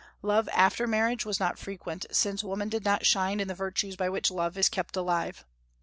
Love after marriage was not frequent, since woman did not shine in the virtues by which love is kept alive.